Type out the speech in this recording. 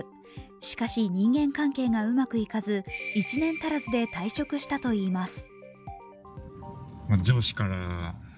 しかし、人間関係がうまくいかず１年足らずで退職したといいます。